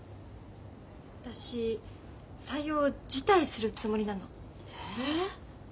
私採用辞退するつもりなの。え！？